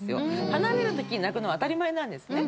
離れるときに泣くのは当たり前なんですね。